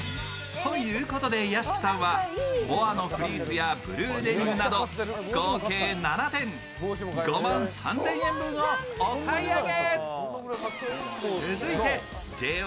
ということで屋敷さんはボアのフリースやデニムなど合計７点、５万３０００円分をお買い上げ。